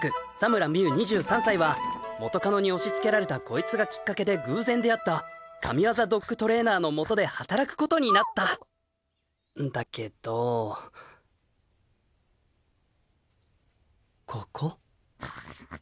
２３歳は元カノに押しつけられたこいつがきっかけで偶然出会った神業ドッグトレーナーのもとで働くことになったんだけどここ？